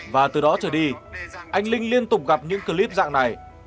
và từ đó trở đi anh linh liên tục gặp những clip dạng này